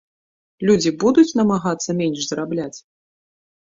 Людзі будуць намагацца менш зарабляць?